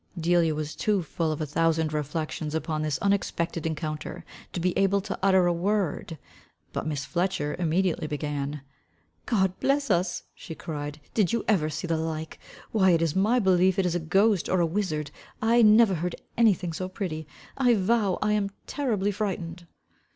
Delia was too full of a thousand reflections upon this unexpected rencounter to be able to utter a word. But Miss Fletcher immediately began. "God bless us," cried she, "did you ever see the like? Why it is my belief it is a ghost or a wizard. I never heard any thing so pretty I vow, I am terribly frightened."